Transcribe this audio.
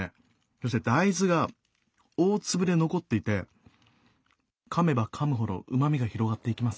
そして大豆が大粒で残っていてかめばかむほどうまみが広がっていきます。